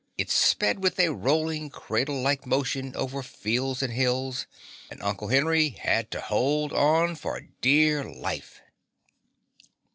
It sped with a rolling, cradle like motion over fields and hills, and Uncle Henry had to hold on for dear life.